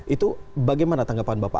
itu bagaimana tanggapan bapak